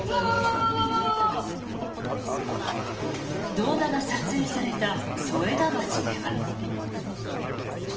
動画が撮影された添田町では。